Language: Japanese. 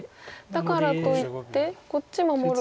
だからといってこっち守ると。